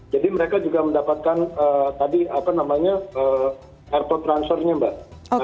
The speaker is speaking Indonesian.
jadi mereka juga mendapatkan airport transfernya mbak